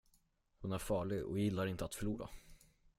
Hon är farlig och gillar inte att förlora.